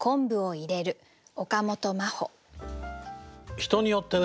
人によってね